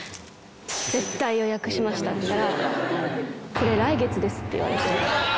「絶対予約しました」って言ったら「これ来月です」って言われて。